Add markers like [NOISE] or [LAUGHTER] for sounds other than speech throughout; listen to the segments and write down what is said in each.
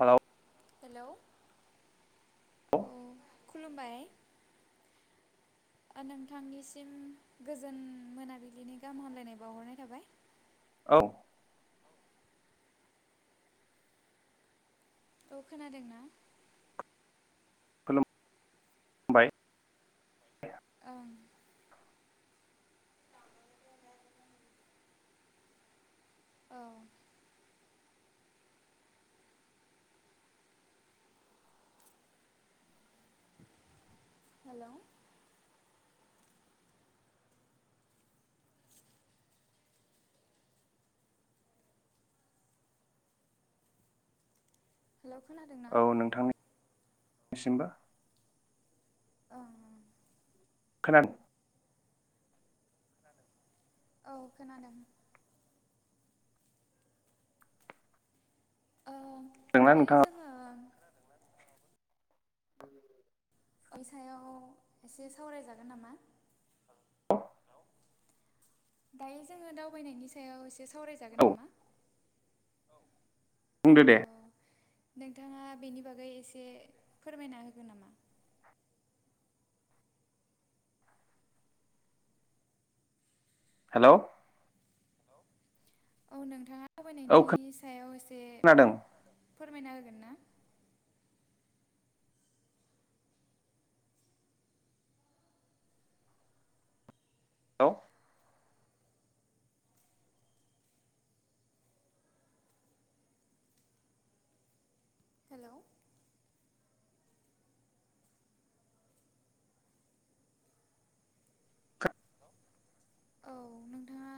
Hello. Hello उम खुलुमबाय। ओ नोंथांनिसिम गोजोन मोनाबिलिनि गाहाम हामलायनाय बावहरनाय थाबाय। औ। औ खोनादोंना? खुलुम बाय। ओं। औ। हेलौ हेलौ खोनादों। औ नोंथांनि सिमबो। ‌ ओं ओं। खोनाद नादों। औ खोनादों। ओं दायो नोंथाङा जोङो खोनादों ना नोंथांङाबो। [INAUDIBLE] ओइसायाव एसे सावरायजागोन नामा? दायो जोङो दावबायनायनि सायाव एसे सावरायजागोन औ नामा? बुंदो दे। औ नोंथाङा बेनि बागै एसे फोरमायना होगोन नामा? हेल'! औ नोंथाङा औ दावबायनायनि सायाव एसे खोनादों फोरमायना होगोन ना? औ। हेल'! औ नोंथाङा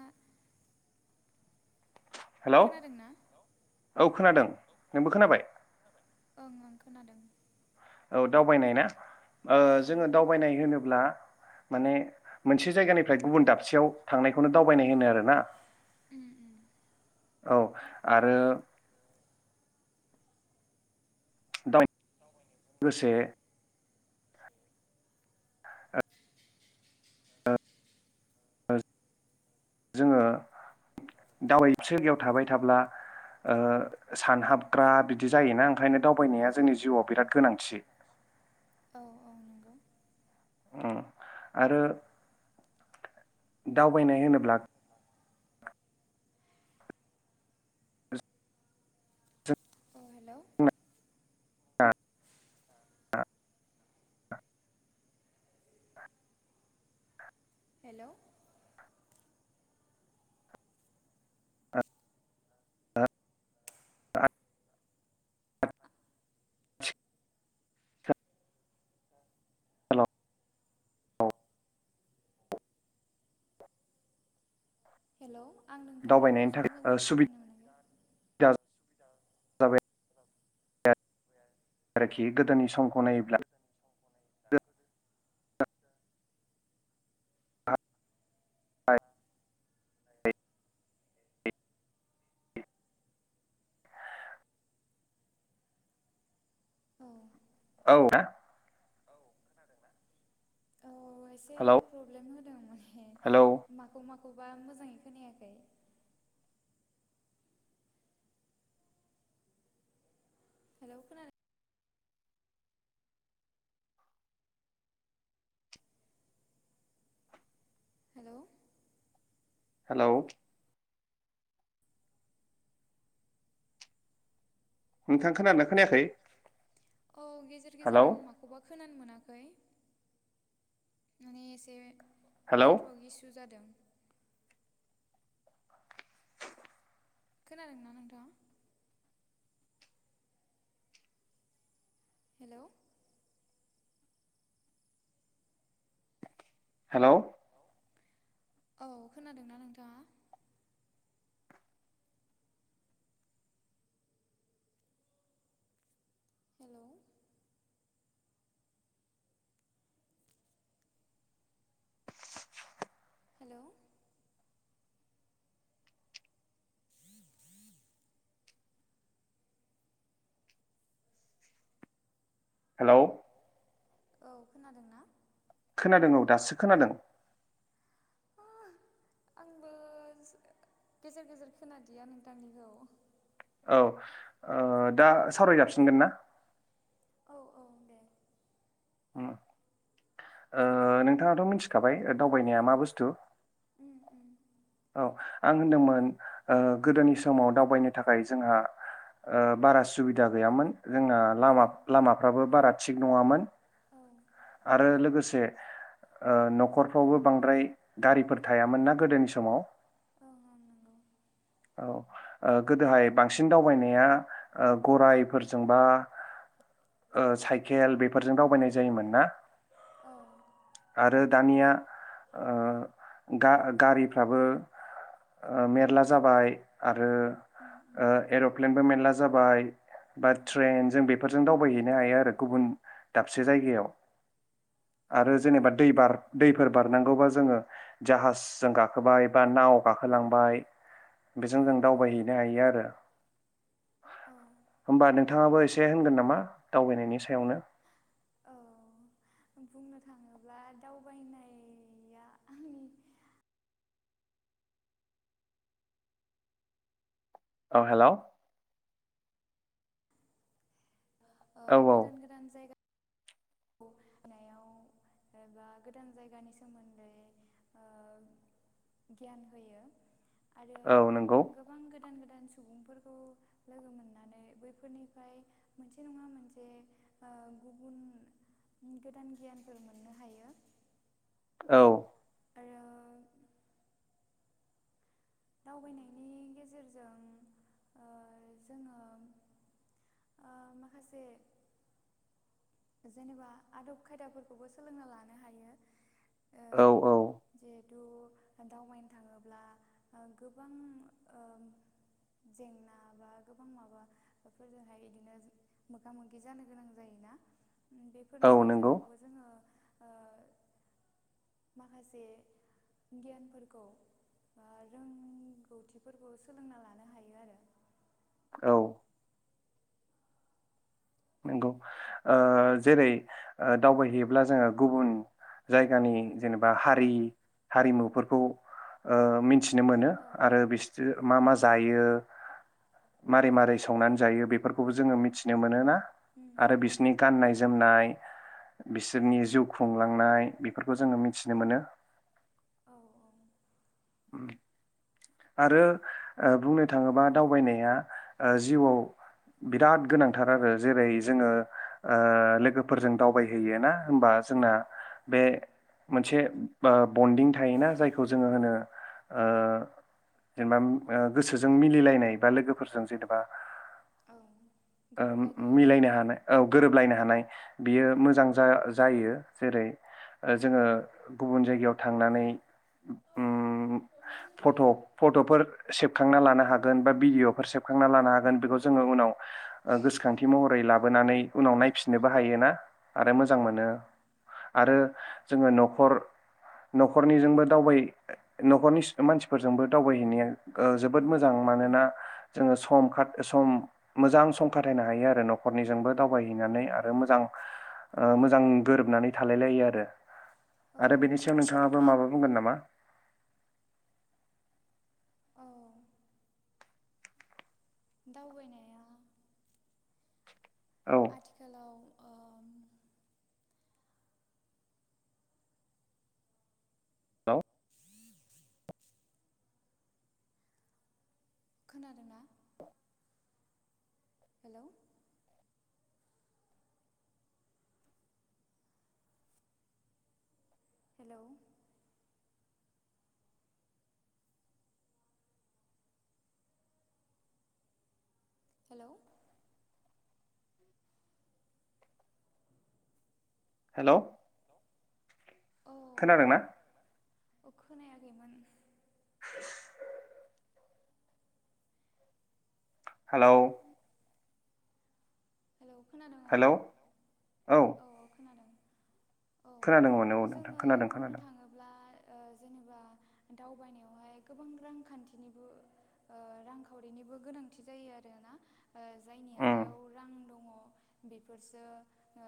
हेलौ खोनादों ना? खोनादों औ नोंबो खोनादों। खोनाबाय खोनाबाय? ओं ओं खोनादों। औ दावबायनाय ना ओ ओं जोङो ओं दावबायनाय होनोब्ला माने मोनसे जायगानिफ्राय गुबुन दाबसेयाव थांनायखौनो दावबायनाय होनो आरो ना। उम उम औ आरो [UNINTELLIGIBLE] ओ जोङो दावबायथिलियाव थाबाय थाब्ला। ओ सानहाबग्रा बिदि जायोना ओंखायनो दावबायनाया जोंनि जिउआव बिराद गोनांथि। औ औ नंगौ। ओम आरो दावबायनाय होनोब्ला औ हेल'! [UNINTELLIGIBLE] हेल'! [UNINTELLIGIBLE] हेल' [UNINTELLIGIBLE] हेल' आं नोंथांनि दावबायनायनि भइसखौ थाखाय मोजां सुबिदा खोनानो मोना [UNINTELLIGIBLE] [UNINTELLIGIBLE] आरोखि गोदोनि समखौ नायोब्ला [UNINTELLIGIBLE] [UNINTELLIGIBLE] [UNINTELLIGIBLE] औ। औ ना? औ खोनादों ना? औ एसे हेलौ प्रब्लेम होदों माने हेलौ माखौ माखौबा मोजाङै खोनायाखै। हेल' खोनादों हेल'! हेलौ! नोंथां खोनादोंना खोनायाखै? औ गेजेर हेलौ गेजेर आं माखौबा खोनानो मोनाखै। माने एसे हेलौ नेटवर्क इसु जादों। खोनादों ना नोंथाङा? हेल'! हेल'! हेलौ! औ खोनादोंना नोंथाङा? हेल'! हेल'! [INAUDIBLE] हेलौ! हेलौ! औ खोनादों ना? खोनादों औ, दासो खोनादों। [UNINTELLIGIBLE] आंबो ज गेजेर गेजेर खोनादिया नोंथांनिखौ। औ ओ दा सावराय जाफिनगोन ना औ औ दे ओ नोंथाङाथ' मिथिखाबाय दावबायनाया मा बुस्थु उम उम औ आं होनदोंमोन गोदोनि समाव दावबायनो थाखाय जोंहा बारा सुबिदा गैयामोन जोंना औ। लामा -लामाफ्राबो बारा थिग नङामोन ओं आरो लोगोसे ओ न'खरफ्रावबो बांद्राय गारिफोर थायामोन ना गोदोनि समाव। ओं नंगौ औ। ओ गोदोहाय बांसिन दावबायनाया ओ गरायफोरजोंबा ओ साइकेल बेफोरजों दावबायनाय जायोमोन ना। औ। आरो दानिया ओ गा-गारिफ्राबो ओ मेरला जाबाय आरो ट्रेनजों ओ एर'प्लेनबो मेरला जाबाय। बा बेफोरजों ट्रेन जों बेफोरजों दावबायहैनो हायो आरो गुबुन दाबसे जायगायाव। आरो जेनेबा दै बार दैफोर बारनांगौबा जोङो जाहाजजों गाखो खोबाय बा नाव गाखोलांबाय बेजों बेफोरजों जों दावबायहैनो हायो आरो आरो। होमबा नोंथाङाबो एसे एसे होनगोन नामा दावबायनायनि सायावनो औ बुंनो थाङोब्ला दावबायनाया आंनि औ हेल' औ औ गोदान -गोदान जायगा खौ माने एबा गोदान जायगानि सोमोन्दै ओ गियान होयो आरो औ नंगौ गो गोबां गोदान -गोदान सुबुंफोरखौ लोगो मोननानै बैफोरनिफ्राय मोनसे नङा मोनसे गुबुन गोदान गियानफोर मो मोननो हायो औ आरो दावबायनायनि गेजेरजों ओ जोङो ओ माखासे जेनेबा आदब खायदाफोरखौबो सोलोंना लानो हायो औ औ जे तु दावबायनो थाङोब्ला गोबां ओम जेंना बा गोबां माबाफोरजोंहाय ओ बिदिनो मोगा -मोगि जानो गोनां जायोना औ बेफोरनि नंगौ गेजेरावबो जोङो ओ माखासे गियानफोरखौ रोंगौथिफोरखौ सोलोंना लानो हायो आरो औ नंगौ ओ जेरै दावबायहैयोब्ला जोङो गुबुन जायगानि जेनेबा हारि हारिमुफोरखौ ओ मिनथिनो मोनो आरो बिसो मा -मा जायो मारै -मारै संनानै जायो बेफोरखौबो जोङो मिथिनो मोन ना मा आरो बिसनि गाननाय जोमनाय बिसोरनि जिउ खुंलांनाय बेफोरखौ जोङो मिथिनो मोनो औ उम आरो बुंनो थाङोबा दावबायनाया जिउआव बिराद गोनांथार आरो जेरै जोङो ओ लोगोफोरजों दावबायहयो ना होनबा जोंना बे मोनसे ओ बन्दिं थायोना जायखौ जोङो होनो जेनेबा गोसोजों मिलिलाय नाय बा लोगोफोरजों जेनेबा गाननाय जोमनाय बे गोरोबलायनो मिलायनो हानाय औ गोरोबलायनो हानाय बियो मोजां जा जायो जेरै जोङो गुबुन जायगायाव थांनानै उम फट फट'फोर सेबखांना लानो हागोन बा भिडिअफोर सेब खांना लानो हागोन बेखौ जोङो उनाव ओ गोसोखांथि महरै लाबोनानै उनाव नायफिननोबो हायो ना आरो मोजां मोनो। आरो जोङो न'खर न'खरनिजोंबो दावबाय न'खरनि सो मानसिफोरजोंबो दावबायहैनाया ओ जोबोद मोजां मानोना जोङो सम खा सम मोजां सम खाथायनो हायो आरो न'खरनिजोंबो दावबायहैनानै आरो मोजां मोजां गोरोबनानै थालायलायो आरो आरो बेनि सायाव नोंथाङाबो माबा बुंगोन नामा औ दावबायनाया। औ आथिखालाव ओम हेलौ खोनादोंना हेलौ हेलौ हेलौ हेलौ औ खोनादों ना। खोनादों ना अ खोनायाखैमोन। हेलौ हेलौ खोनादों ओं हेलौ औ औ खोनादों। औ खोनादोंमोन औ नोंथां जोङो खोनादों बुंनो खोनादों थाङो ब्ला ओ जेनेबा दावबायनायावहाय गोबां रांखान्थिनिबो ओ रांखावरिनिबो गोनांथि जायो आरोना जायनि उम आखाइयाव रां दङ बेफोरसो ओ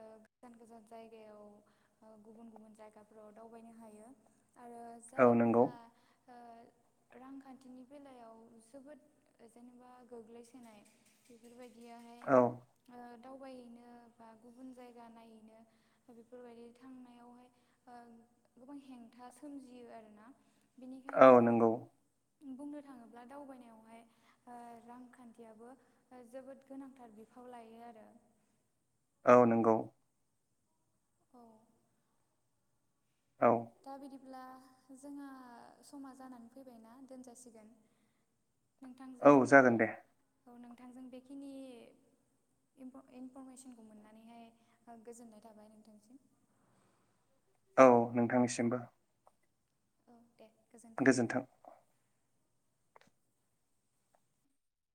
ओ गोजान गोजान जायगायाव ओ गुबुन गुबुन जायगाफोराव दावबायनो हायो आरो औ नंगौ जायफोरहा ओ रांखान्थिनि बेलायाव जोबोद ओ जेनेबा गोग्लैसोनाय बेफोरबायदियाहाय औ ओ दावबायहैनो बा गुबुन जायगा नायहैनो बेफोरबायदि थांनायावहाय ओ गोबां हेंथा सोमजियो आरोना। औ नंगौ बेनिखायनो बुंनो थाङोब्ला दावबायनायावहाय ओ रांखान्थियाबो ओ जोबोद गोनांथार बिफाव लायो आरो औ नंगौ। औ औ दा बिदिब्ला जोंहा समा जानानै फैबायना दोनजासिगोन। औ नोंथांजों जागोन दे औ नोंथांजों बेखिनि इनफ इनफरमेसनखौ मोननानैहाय ओ गोजोननाय थाबाय नोंथांनिसिम। औ नोंथांनिसिमबो। औ दे गोजोन्थों।